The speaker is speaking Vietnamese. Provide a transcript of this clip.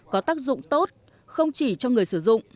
có tác dụng tốt không chỉ cho người sử dụng